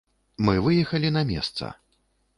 Мы выехалі на месца.